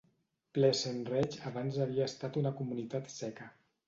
Pleasant Ridge abans havia estat una comunitat seca.